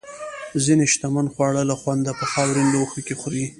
ځینې شتمن خواړه له خونده په خاورین لوښو کې خوري.